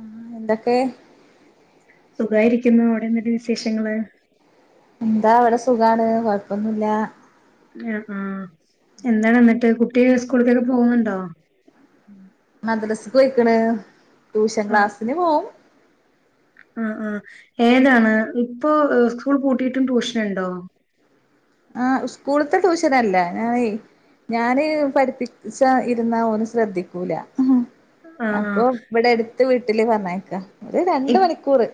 ആഹ് എന്തൊക്കെ സുഖായിരിക്കുന്നു അവിടെ എന്തൊക്കെ വിശേഷങ്ങള് എന്താ ഇവടെ സുഖാണ് കൊഴപ്പൊന്നുല്ല ആഹ് ആഹ് എന്താണ്ന്ന്ട്ട് കുട്ടി സ്കൂൾക്കൊക്കെ പോകുന്നുണ്ടോ മദ്രസക്കു പൊയ്ക്ക്ണ് ട്യൂഷൻ ക്ലാസിനുപോവും ആഹ് ആഹ് ഏതാണ് ഇപ്പൊ സ്കൂൾ പൂട്ടിയിട്ടും ട്യൂഷനുണ്ടോ ആഹ് സ്കൂള്ത്തെ ട്യൂഷനല്ല ഞങ്ങളയ് ഞാന് പഠിപ്പിച്ചാ, ഇരുന്നാ ഒന്ന് ശ്രദ്ധിക്കൂല. ആ ആ അപ്പൊ ഇവിടെ അടുത്തു വീട്ടില് പർഞ്ഞയ്ക്കാ ഒരു രണ്ടു മണിക്കൂറ്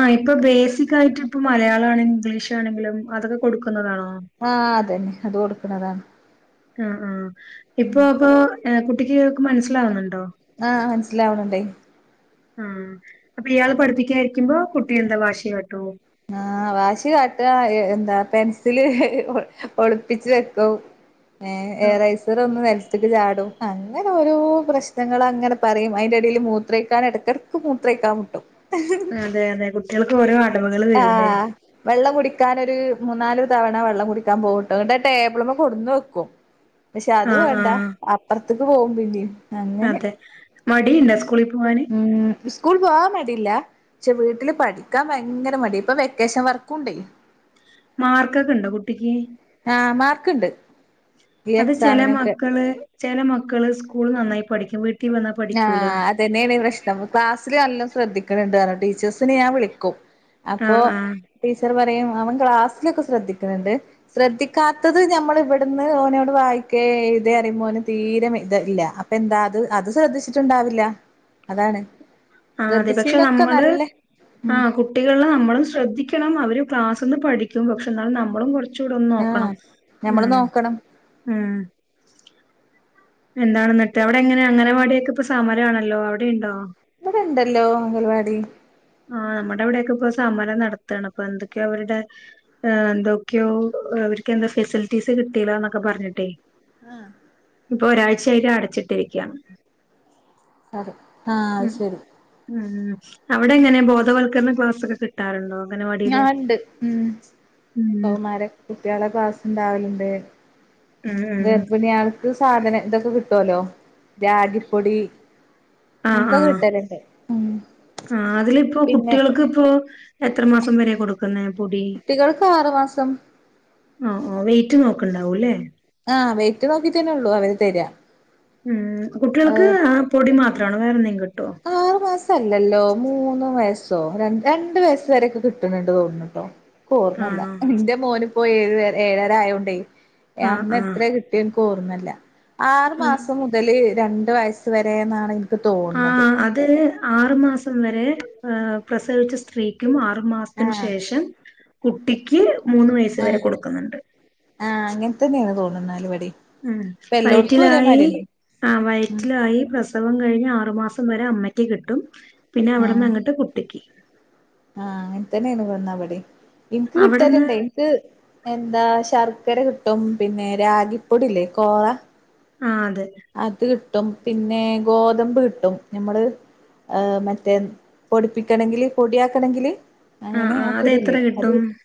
ആയിപ്പൊ ബേസിക്കായിട്ടിപ്പം മലയാളാണെങ്കിലും ഇംഗ്ലീഷാണെങ്കിലും [unintelligible] കൊടുക്കുന്നതാണോ. ആഹ് അതന്നെ അതുകൊടുക്കുന്നതാ ആഹ് ആഹ് ഇപ്പൊ അപ്പൊ കുട്ടിക്കു മനസ്സിലാവ്ണ്ണ്ടോ ആഹ് മനസ്സിലാവ്ണ്ണ്ടേ ആഹ് അപ്പൊ ഇയാളു പഠിപ്പിക്കാനിരിക്കുമ്പോ കുട്ടി എന്താവാശികാട്ടുവോ ആഹ്‌ വാശികാട്ടുക എന്താ പെൻസിലൊളിപ്പിച്ചു വെക്കും [inaudible] ഏഹ് ഏറൈസറൊന്നു നില ചാടും അങ്ങനെയോരോ പ്രശ്നങ്ങളങ്ങനെ പറയും അതിന്റെയിടയിൽ മൂത്രമൊഴിക്കാനിടക്കിട ഇപ്പം മൂത്രമൊഴിക്കാൻ മുട്ടും [unintelligible] അതെയതെ കുട്ടികൾക്കു ഓരോ അടവുകൾ വരൂലേ ആഹ് വെള്ളം കുടിക്കാനൊരു മൂന്നാലു തവണ വെള്ളം കുടിക്കാൻ പോകുന്നുണ്ട് ടേബിളിൽ മേൽ കൊണ്ടുവെക്കും. [inaudible] പക്ഷേയതു വേണ്ട ആ അപ്പുറത്തേക്കുപോകും പിന്നെയും അങ്ങനെ അതെ മടിയുണ്ടോ സ്കൂളിൽ പോവാന് ഉം സ്കൂൾ പോവാൻ മടിയില്ല. പക്ഷേ വീട്ടില്‌പഠിക്കാൻ ഭയങ്കരമടിയിപ്പൊ വെക്കേഷൻ വർക്കുണ്ടേ മാർക്കൊക്കെയുണ്ടോ കുട്ടിക്ക് ആഹ് മാർക്കുണ്ട്. അതു ചിലമക്കള് ചില മക്കള് സ്കൂളിൽനന്നായി പഠിക്കും വീട്ടി ആഹ് അതു തന്നെയാണ് പ്രശ്നം ക്ലാസ്സില് നല്ല ശ്രദ്ധിക്കണുണ്ട് ടീച്ചേഴ്സിനെ ഞാൻ വിളിക്കും അപ്പൊ ആഹ് ആഹ് ടീച്ചറുപറയും അവൻ ക്ലാസ്സിലൊക്കെ ശ്രദ്ധിക്കുന്നുണ്ട്. ശ്രദ്ധിക്കാത്തതു ഞമ്മൾ ഇവിടുന്ന് ഓനോടു വായിക്ക് എഴുത് പറയുമ്പോ ഓന് തീരെ മീ മീച്ചമില്ല അപ്പ എന്തായത് അത് ശ്രദ്ധിച്ചിട്ടുണ്ടാവില്ല അതാണ് ആഹ് അതുപക്ഷേ ശ്രദ്ധിച്ചീനൊക്കെ നമ്മള് നല്ല ഉം ആഹ് കു കുട്ടികളെ നമ്മളും ശ്രദ്ധിക്കണം അവര് ക്ലാസ്സിൽ നിന്ന് പഠിക്കും പക്ഷേ എന്നാലും നമ്മളും കുറച്ച് കുച്ചൂടെന്ന് ആഹ് നോക്കണം ഉം ഞമ്മള് നോക്കണം ഉം എന്താണെന്നിട്ടവിടെ എങ്ങനെ അംഗനവാടിയൊക്കെ ഇപ്പൊ സമരമാണല്ലോ അവിടെയുണ്ടോ ഇവിടെയുണ്ടല്ലോ അംഗനവാടി ആഹ് നമ്മുടെയവിടെയൊക്കെ ഇപ്പൊ സമരം നടത്തുകയാണ് അപ്പൊ എന്തൊക്കെയോ അവരുടെ. ആഹ് എന്തൊക്കെയോ അവർക്കെന്താ ഫെസിലിറ്റീസ് കിട്ടിയില്ലാന്നൊക്കെ പറഞ്ഞിട്ടേ ആഹ് ഇപ്പൊ ഒരാഴ്ചയായിട്ട് അടച്ചിട്ടിരിക്കയാ അതെ ആഹ് അതുശരി ആഹ് അവിടെങ്ങനെ ബോധവത്ക്കരണ ക്ലാസ്സൊക്കെ കി കിട്ടാറുണ്ടോ അംഗനവാടി ഞാനുണ്ട് ഉം കൗമാര കുട്ടികളുടെ ക്ലാസ്സുണ്ടാവലുണ്ട് ഉം ഉം ഗർഭിണി ആൾ ഇതു സാധനം ഇതൊക്കെ കിട്ടുവല്ലോ രാഗിപ്പൊടി. ആഹ് ഇൻക്കൊക്കെ ആഹ് കിട്ടലുണ്ട് ഉം ആഹ് അതിലിപ്പോ പിന്നെ കുട്ടികൾക്കിപ്പോ എത്ര മാസംവരെയാ കൊടുക്കുന്നെ പൊടി. കുട്ടികൾക്ക് ആറു മാസം ആഹ് ആഹ് വെയിറ്റുനോക്കണുണ്ടാവുംമല്ലേ ആഹ് വെയ്റ്റുനോക്കി തന്നെയുള്ളൂ അവര് തരിക ഉം കുട്ടികൾക്കുപൊടി മാത്രമാണോ വേറെയെന്തെങ്കിലും കിട്ടുവോ ആറു മാസമല്ലല്ലോ മൂന്നുവയസ്സോ ര രണ്ടു വയസുവരയൊക്കെ കിട്ടിണിണ്ട് തോന്നുന്നൂട്ടോ ന്ക്ക് ഓർമല്ല ആണോ ഇന്റെ മോന്പോയേഴ ഏഴര ആയോണ്ടേ ആഹ് അന്ന് ആഹ് എത്ര കി [unintelligible] എൻക്കോർമല്ല ആറു ആഹ് മാസം മുതല് രണ്ട് വയസ് വരെന്നാണ് എനി ആഹ് അത് ആറു മാസം വരെ പ്രസവിച്ച സ്ത്രീക്കും ആ ആറു മാസത്തിന് ആഹ് ശേഷം കുട്ടിക്ക് മൂന്ന് വയസ് ആഹ് വരെ കൊടുക്കുന്നുണ്ട് ആഹ് അങ്ങൻതന്നെണ് തോണ്ന്നാലിവടീം ഉം വൈറ്റിലായി ആഹ് ഉം വയറ്റിലായി പ്രസ പ്രസവം കഴിഞ്ഞ് ആറു മാസം വരെ അമ്മയ്ക്ക് കിട്ടും പിന്നെ ആഹ് അവിടന്നങ്ങട്ട് കുട്ടിക്ക് ആഹ് അങ്ങൻതന്നെണ്ന്നാലിവെടിം ഇൻക്ക് അവിടുന്ന് കിട്ടല്ണ്ടെ ത് എന്താ ശർക്കര കിട്ടും പിന്നെ രാഗിപ്പൊടില്ലേ കോറ ആഹ് അതെ അത് കിട്ടും പിന്നെ ഗോതമ്പ് കിട്ടും ഞമ്മള് ഏഹ് മറ്റേ പൊടിപ്പിക്കണെങ്കില് പൊടിയാക്കണെങ്കില് ആ അങ്ങനെ ആ ആഹ് അത് എത്ര കുരുല്ലേ അത് കിട്ടും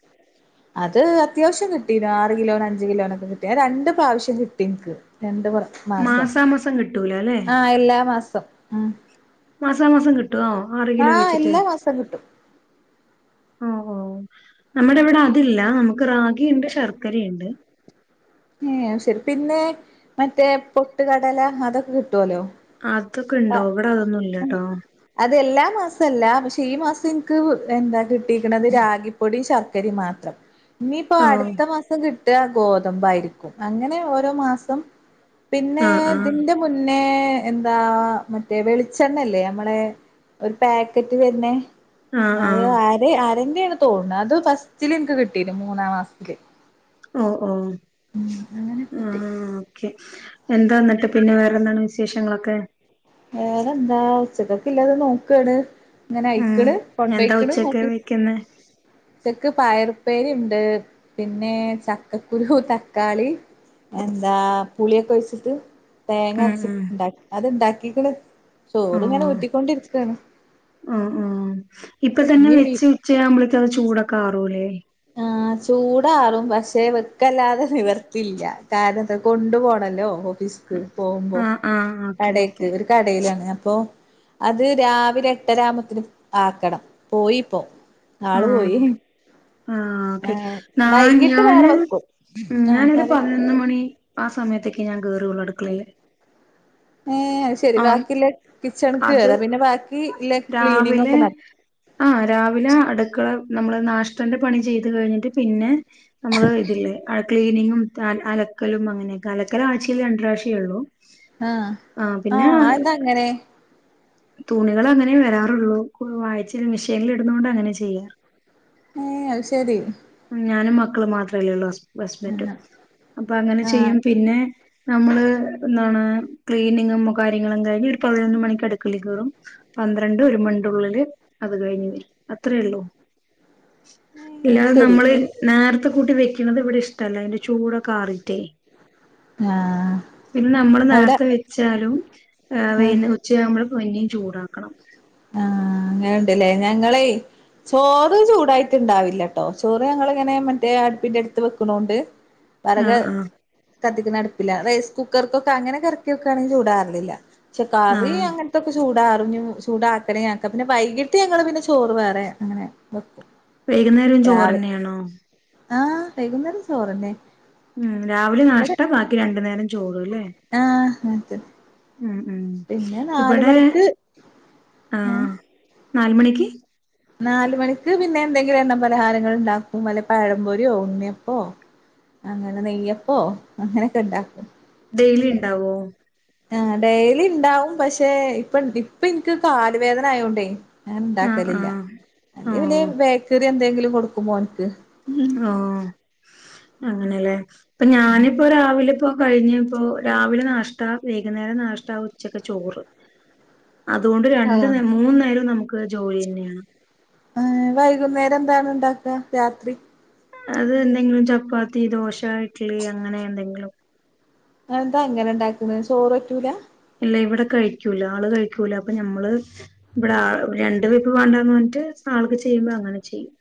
അത് അത്യാവശ്യം കിട്ടീണ്. ആറ് കിലോനഞ്ച്കിലോനൊക്കെ കിട്ടി അത് രണ്ട് പ്രാവശ്യം കിട്ടിൻക്ക് രണ്ട് പ്ര മാസം. മാസാമാസം കിട്ടൂല അല്ലെ ആഹ് എല്ലാ മാസം ഉം മാസാ മാസം കിട്ടുവോ ആറ് കിലോ ആഹ് വെച്ചിട്ട് എല്ലാ മാസം കിട്ടും ഓഹ് ഓഹ് നമ്മുടെവടെ അതില്ല നമുക്ക് റാഗിയിണ്ട്, ശർക്കരയിണ്ട് ഏഹ് അത് ശെരി പിന്നെ മറ്റേ പൊട്ട് കടല അതൊക്കെ കിട്ടോലോ അതൊക്കെണ്ടോ വടെ അതൊന്നുംല്ല്യട്ടോ അത് എല്ലാ മാസംല്ല പക്ഷെ ഈ മാസം ഇൻക്ക് എന്താ കിട്ടിക്ക്‌ണത് രാഗിപ്പൊടി ശർ ക്കരിം മാത്രം ഇനിയിപ്പോ ഓ അടുത്ത മാസം കി ട്ടാ ഗോതമ്പായിരിക്കും. അങ്ങനെ ഓരോ മാസം, പിന്നെ ആ ആ തിന്റെ മുന്നേ എന്താ മറ്റേ വെളിച്ചണ്ണെല്ലേ അമ്മളെ ഒരു പാക്കറ്റ്‌വെര്നെ, അവ് ആ അത് ആരെന്റെണ് തോൺണ്. അത് ഫസ്റ്റില്ൻക്ക് കിട്ടീണ് മൂന്നാം മാസ്ത്തില് ഓഹ് ഓഹ് അങ്ങനെ കിട്ടി ആഹ് ഓക്കെ എന്താന്നട്ട് പിന്നെ വേറെന്താണ് വിശേഷങ്ങളൊക്കെ വേറെന്താ ഉച്ചക്കക്കില്ലത് നോക്കാണ് ഉം ങ്ങനയ്ക്ക്ണ് എന്താ കൊണ്ടയ്ക്ക്ണ് ഉച്ചക്ക് ഓഫീസ് വെക്കുന്നെ ഉച്ചക്ക് പയറുപ്പേരിണ്ട് പിന്നെ ചക്കക്കുരു തക്കാളി എന്താ പുളിയൊക്കെ വെച്ചിട്ട് ഉം തേങ്ങര്ച്ച് ഉം ണ്ടാ അത്ണ്ടാക്കിക്ക്ണ് ചോറ്ങ്ങനെ ആഹ് ഊറ്റിക്കൊണ്ടിരിക്കാണ് ആഹ് ആഹ് ഇപ്പതന്നെ ഇഞ്ഞി വെച്ച് മീ ഉച്ചയാവുമ്പളേത്തത് ചൂടൊക്കാറൂല്ലേ ആഹ് ചൂടാറും പക്ഷെ വെക്കല്ലാതെ നിവർത്തില്ല, കാരണത്ത കൊണ്ടു പോണല്ലോ ഓഫീസ് ക്ക്‌ പോവുമ്പോ ആഹ് ആഹ് ഓക്കെ കടേക്ക് ഓക്കെ ഒരു കടേലാണ് അപ്പൊ അത് രാവിലെ എട്ടര ആവുമ്പത്തിന് ആക്കണം, പോയിപ്പോ ആള് പോയി ആഹ് ആഹ് ഓക്കെ ആഹ് ന്നാൻ വൈകിട്ട് ഞാന് വേറെ വെക്കും ആഹ് ഞാനൊരു പറയ് പതിനൊന്ന് മണി ആ സമയത്തൊക്കെ ഞാൻ കേറുള്ളൂ അടുക്കളെയില് ഏഹ് അയ്ശെരി, ബാക്കില്ല കിച്ചൺക്ക് അത് കേറാ പിന്നെ ബാക്കില്ല ക്ലീനിങ് ഒക്കെ രാവിലെ നട് ആഹ് രാവിലെ അടുക്കള നമ്മള് നാഷ്ടന്റെ പണി ചെയ്തു കഴിഞ്ഞിട്ട് പിന്നെ നമ്മള് ഇതില്ലേ അ ക്ലീനിങ്ങും അലക്കലും അങ്ങനെയൊക്കെ അലക്കല് ആഴ്ചയിൽ രണ്ട് പ്രാവിശ്യേഒള്ളു ആഹ്‌ ആഹ് അഎന്താഅങ്ങനെ തുണികളങ്ങനേ വരാറുള്ളൂ. കു ആയിച്ചേല് മിഷേൻല്ടുന്നോണ്ട് അങ്ങനെ ചെയ്യാ ഏഹ് അയ്ശെരി ഞാനും മക്കളും മാത്രല്ലേള്ളൂ ഹസ്ബന്റും ആഹ് അപ്പൊ അങ്ങനെ ആഹ് ചെയ്യും പിന്നെ നമ്മള് എന്താണ് ക്ലീനിങ്ങും കാര്യങ്ങളും കഴിഞ്ഞ് ഒരു പതിനൊന്ന് മണിക്ക് അടുക്കള്ളേ കേറും പന്ത്രണ്ട് ഒരു മണിന്റെള്ളില് അത് കഴിഞ്ഞ് വരും അത്രള്ളൂ ഏഹ് അത് പ്പം ശരി നമ്മള് നേർത്തെ കൂട്ടി വെക്ക്ണത് ഇവിടെ ഇഷ്ടല്ല അതിന്റെ ചൂടൊക്കാറിട്ടേ ആഹ് പിന്നെ നമ്മള് അവിടെ നേർത്തെ വെച്ചാലും ആ വെയ് ആഹ് ച്ചയാവുമ്പോ പിന്നിം ചൂടാക്കണം ആഹ് ങ്ങനെണ്ട്ലെ ഞങ്ങളേയ് ചോറ് ചൂടായിട്ട്ണ്ടാവില്ല ട്ടോ ചോറ് ഞങ്ങളിങ്ങനെ മറ്റേ അട്പ്പിന്റെട്ത്ത് വെക്ക്‌ണോണ്ട് [inaudible] വെറക് ആഹ് കത്തിക്കുന്നട്പ്പില്ല റൈസ് കുക്കർക്കൊക്കെ അങ്ങനൊക്കെ ർക്കിക്കാണെങ്കി ചൂടാറലില്ല ക്ഷേ കറി ആഹ് അങ്ങൻതൊക്കെ ചൂടാറും, ഞ്ഞി ചൂടാക്കണെ ആക്ക, പിന്നെ വൈകിട്ട് ഞങ്ങള് പിന്നെ ചോറ് വേറെ അങ്ങനെ വെക്കും വൈകുന്നേരും രാവിലെ ചോറന്നേണോ ആഹ് വൈകുന്നേരും ചോറന്നെ ഉം രാവിലെ ഇവിടെ നാഷ്ത്ത ബാക്കി രണ്ടു നേരം ചോറ് ലേ ആഹ് അതെ മ് മ് ഇവിടെ മണിക്ക് ആഹ് നാല് മണിക്ക് നാല മണിക്ക് പിന്നെ എന്തെങ്കിലും എണ്ണ പലഹാരങ്ങൾ ഇണ്ടാക്കും വല്ല പഴംപൊര്യോ ഉണ്യപ്പോ അങ്ങനെ നെയ്യപ്പോ അങ്ങനൊക്കെ ഇണ്ടാക്കും ഡെയിലി ഇണ്ടാവോ ഏഹ് ഡെയ്‌ലി ണ്ടാവും പഷെ ഇപ്പൊ ഇപ്പൊ ൻക്ക് കാല് വേദന ആയോണ്ടേ ഞാൻ ആഹ് ഇണ്ടാക്കലില്ല ആഹ് ഇല്ലേ ഓഹ് ബേക്കറി എന്തെങ്കിലും കൊടുക്കും മോന്ക്ക് ആഹ് അങ്ങനെല്ലേ ഇപ്പ ഞാനിപ്പോ രാവിലെ ഇപ്പോ കഴിഞ്ഞ് ഇപ്പോ രാവിലെ നാഷ്ത വൈകുന്നേരം നാഷ്ത ഉച്ചക്ക് ചോറ് അതുകൊണ്ട് രണ്ട് ആഹ് മൂന്നു നേരേം നമുക്ക് ജോലി തന്നെയാണ് വൈകുന്നേരം എന്താ ഇണ്ടാക്ക രാത്രി അത് എന്തെങ്കിലും ചപ്പാത്തി ദോശ ഇഡ്ഡലി അങ്ങനെ എന്തെങ്കിലും അതെന്താ ആങ്ങനെ ഇണ്ടാക്ക്ണെ ചോറ് പറ്റൂല ഇല്ല ഇവിടെ കഴിക്കൂല ആള് കഴിക്കൂല അപ്പൊ ഞമ്മള് ഇവിടെ രണ്ട് വീഭവാണ്ടാന്ന് പർഞ്ഞിട്ട് ആൾക്ക് ചെയ്യുമ്പോ അങ്ങനെ ചെയ്യും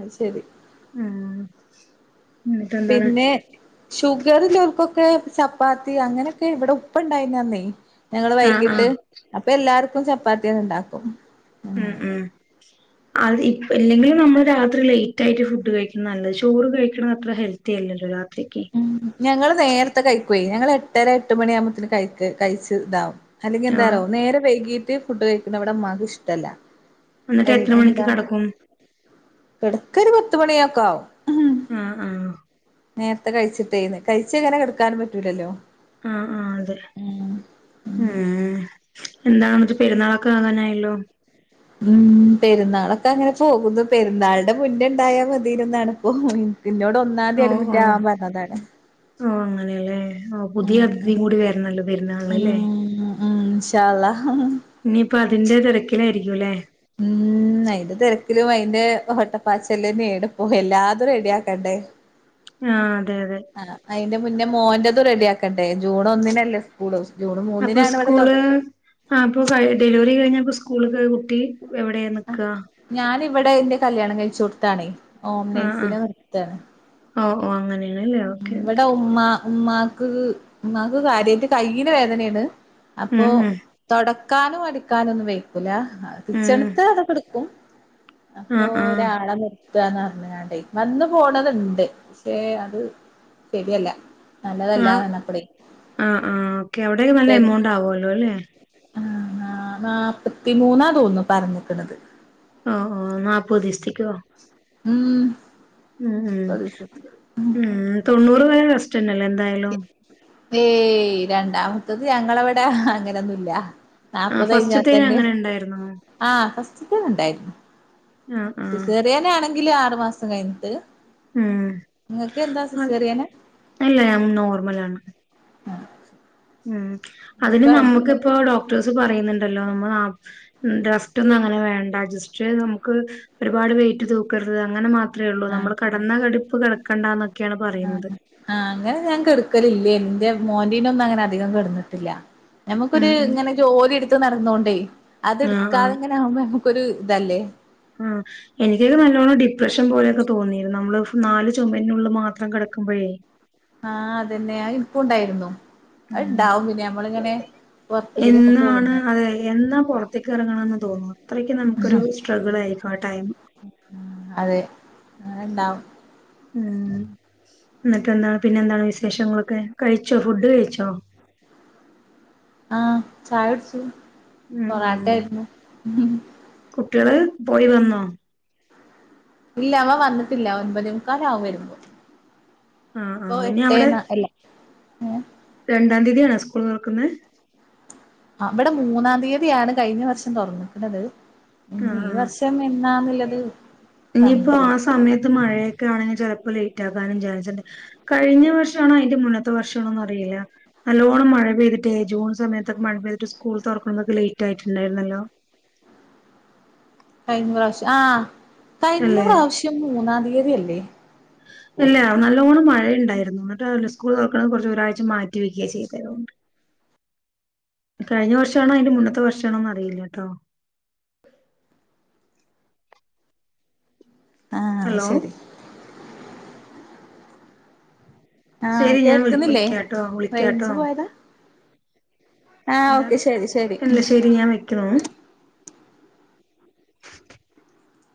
അത് ശരി ആഹ് പിന്നെ ഷുഗറിള്ളോർകൊക്കെ ചപ്പാത്തി അങ്ങനെക്കെ ഇവിടെ ഉപ്പ ഇണ്ടായിനന്നേ ഞങ്ങള് ആഹ് വൈകീട്ട് ആഹ് അപ്പൊ എല്ലാർക്കും ചപ്പാത്തി തന്നെ ഇണ്ടാക്കും ആഹ് ആഹ് അത് ഇല്ലെങ്കിലും നമ്മള് രാത്രി ലേറ്റ് ആയിട്ട് ഫുഡ് കഴിക്ക നല്ലെ ചോറ് കഴിക്ക്ണ അത്ര ഹെൽ ത്തില്ലല്ലോ രാത്രിക്കെ മ് ഞങ്ങള് നേരത്തെ കഴിക്കേ ഞങ്ങള് എട്ടര എട്ട് മണിയ ആകുമ്പത്തേന് കയ് കഴിച്ച് ഇതാവും അല്ലെങ്കി ആഹ് എന്താറ്യോ നേരം വൈകീട്ട് ഫുഡ് കഴിക്കുന്ന ഇവ്ടെ ഉമ്മാക്ക് ഇഷ്ടല്ല എന്നിട്ട് എൻ എത്ര മണിക്ക് എന്താ കെടക്കും ഇടക്ക് ഒരു പത്ത് മണിയൊക്കാവും ആഹ് ആഹ് നേര്ത്തെ കഴിച്ചിട്ടേന്ന് കഴിച്ച ഇങ്ങനെ കെട്ക്കാനും പറ്റൂലല്ലോ ആഹ് ആഹ് അതെ ഉം മ് എന്താന്നിട്ട് പെരുന്നാളൊക്കെ ആകാനായല്ലോ മ് പെരുന്നാളൊക്കെ അങ്ങനെ പോകുന്നു പെരുന്നാള്ടെ മുന്നെ ഇണ്ടായാൽ മതിന്നാണ് ഇപ്പൊ എന്നോട് ഒന്നാംന്തി ഓഹ് അഡ്മിറ്റാവാ ഓഹ് പർഞ്ഞതാണ് ഓഹ് അങ്ങനെയല്ലേ ഓഹ് പുതിയ അതിതിം കൂടി വര്ണല്ലോ പെര്ന്നാള്ന്ല്ലേ ഉം ഉം ഇൻഷാ അല്ലാഹ് ഇനിപ്പൊ അതിന്റെ തിരക്കിലായിരിക്കും അല്ലേ മ് അയ്ന്റെ തിരക്കിലും അയ്ന്റെ ഓട്ടപാച്ലും [unintelligible] ഇപ്പൊ എല്ലാതും റെഡിയാക്കണ്ടേ ആഹ് അതെ അതെ ആഹ് അയിന്റെ മുന്നേ മോന്റതും റെഡിയാക്കണ്ടേ ജൂൺ ഒന്നിനല്ലേ സ്കൂള് ജൂൺ അപ്പൊ മൂന്നിനാണ് ഇവിടെ തൊ സ്കൂള് ആഹ് അപ്പോ ഡെലിവറി കഴിഞ്ഞപ്പോ സ്കൂളൊക്ക് കുട്ടി എവിടെയാ നിക്കാ ഞാന് ഇവിടെ ഇന്റെ കല്യാണം കഴിചോട്താണേ ഹോം നെയ്സിനെ വെച്ചാര്ന്ന് ഓഹ് ഓഹ് അങ്ങനെയാണല്ലേ ഓക്കേ ഓക്കേ ഉമ്മാ ഉമ്മാക്ക് ഉമ്മാക്ക് കാര്യമായിട്ട് കൈയില് വേദനയാണ് അപ്പൊ ഉം ഉം തൊടക്കാനോ അടിക്കാനോ ഒന്നും വേക്കൂല ഉം [unintelligible] കൊടുക്കും അപ്പൊ ആഹ് ആഹ് ഒരാളെ നിർത്തന്ന് പറഞ്ഞുണ്ടേ വന്ന് പോണത്ണ്ട് പക്ഷെ അത് ശരിയല്ല നല്ലതല്ല ആഹ് ആഹ് ആഹ് ഓക്കെ അവിടെക്കെ [unintelligible] [unintelligible] ആഹ് നാപ്പത്തി മൂന്നാ തോന്നുന്നു പറഞ്ഞിക്കണത് ആഹ് നാപ്പത് ഡിസ്ട്രിക്ട് ഉം ഉം നാപ്പത് ദിവസത്ത്ക്ക് ഉം ഉം തൊണ്ണൂറ് വരെ റസ്റ്റന്നല്ലെ എന്തായലും. ഏയ് രണ്ടാമത്തത് ഞങ്ങളവിടെ അങ്ങനൊന്നുല്ല. ആ ഫസ്റ്റ്ത്തേന് നാപ്പതയ്ഞ്ഞാത്തന്നെ അങ്ങനെ ഉണ്ടായിരുന്നോ ആഹ് ഫസ്റ്റ്തത്ണ്ടായിര്ന്നു. ആഹ് ആഹ് സ്‌സേറിയനാണെങ്കില് ആറു മാസം കയ്ഞ്ട്ട്. ഉം അ അല്ല ഞാം നോർമലാണ്. ഉം ഇപ്പ അതിന് ആഹ് നമുക്കിപ്പോ ഡോക്ടേഴ്സ് പറയുന്ന്ണ്ടല്ലോ നമ്മള് ന്നാ ഉം റസ്റ്റൊന്നു അങ്ങനെ വേണ്ട ജസ്റ്റ് നമുക്ക് ഒരുപാട് വെയ്റ്റ് തൂക്കരുത് അങ്ങനെ മാ ത്രേള്ളൂ നമ്മള് കടന്ന കടുപ്പ് കെടക്കണ്ടന്ന ആ ആഹ് അങ്ങനെ ഞാ കെടുക്കലില്ലേന്നു ന്റെ മോൻ്റിനൊന്നു അങ്ങന അധികം കട്ന്നിട്ടില്ല. ഞ്ഞമ്മക്കൊര് ഉം ഉം ങ്ങനെ ജോലിട്ത്ത് നടന്നൊണ്ടേ ആഹ് ആഹ് അത്ട്ക്കാതെങ്ങനാവുമ്പൊ നമ്മക്കൊരു തല്ലേ. ആഹ്. എനിക്ക്യൊരു നല്ലോണം ഡിപ്രഷൻ പോലെയൊക്കെ തോന്നിര്ന്നു നമ്മള് ഫ് നാല് ചുമര്നുള്ള് മാത്രം കെടക്കുമ്പഴേ. ആഹ് അതന്നെ അഹ് ഇൻകുണ്ടായിര്ന്നു അഹ് ഉം ണ്ടാവും പിന്നെ ഞമ്മളിങ്ങനെ പൊർ എന്നാണ് അതെ എന്നാ പൊറത്തേക്കിറങ്ങണംന്ന് തോന്നും അത്രക്ക് നമുക്കൊരു സ്ട്രഗിളായിരിക്കും ആ ടൈം. അതെ അത്ണ്ടാവും. ഉം ന്നട്ടെന്താണ് പിന്നെ എന്താണ് വിശേഷങ്ങളൊക്കെ കഴിച്ചോ ഫുഡ് കഴിച്ചോ. ആഹ് ചായൊട്ച്ച്. ഉം ഉം കുട്ട്യള് പോയി വന്നോ. ഇല്ല അവ വന്നിട്ടില്ല ഒൻപതേ മുക്കാലാവ്വായ്ര്ക്കു. ആഹ് പ്പൊ ആഹ് ഇനി എട്ടേ അവിടെ ന്ന അല്ല ഏഹ്. രണ്ടാം തീയതി ആണ് സ്കൂൾ തൊർക്കുന്നെ. അ വടെ മൂന്നാം തീയതിയാണ് കയിഞ്ഞ വർഷം തൊർന്ന്ക്ക്ണത്. ആഹ് ആഹ് ഞ്ഞ്പ്പോ ആ പറഞ്ഞിട്ടില്ല സമയത്ത് മഴയ ക്കാണെങ്കി ചെലപ്പോ ലെയ്റ്റക്കാനും ചാൻസ്ണ്ട് കഴിഞ്ഞ വർഷണോ അയ്ന്റെ മുന്നത്തെ വർഷണോന്നറിയില്ല. നല്ലോണം മഴ പെയ്തിട്ടേ ജൂൺ സമയത്തൊക്കെ മഴ പെയ്തിട്ട് സ്കൂൾ തൊർക്ക്ണതൊക്കെ ലെയ്റ്റായിട്ടുണ്ടയിരുന്നല്ലോ. കഴിഞ്ഞ പ്രാവശ്യം ആഹ് കഴിഞ്ഞ അല്ലെ പ്രാവശ്യം മൂന്നാം തീയതിയല്ലേ. ഇല്ല നല്ലോണം മഴയുണ്ടായിരുന്നു ന്നട്ടതല്ല സ്കൂൾ തൊർക്കണ കൊർച്ച് ഒരാഴ്ച മാറ്റി വെക്ക്യ ചെയ്തെ അതുകൊണ്ട്. കഴിഞ്ഞ വർഷാണോ അയ്ൻ്റെ മുന്നത്തെ വർഷിണോന്നറിയില്ലട്ടോ. ആഹ് ഹലോ. ശരി ആഹ് ശരി ഞാൻ വിളി കേൾക്കുന്നില്ലേ വെക്ക്യാട്ടോ റേഞ്ച് വിളിക്ക്യാട്ടോ പോയതാ ആഹ് ഓക്കെ എന്താണ് ശരി ശരി ഉം അല്ല ശരി ഞാ വെക്ക്യുന്നു.